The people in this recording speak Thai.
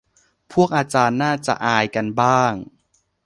พวกอาจารย์น่าจะอายกันบ้าง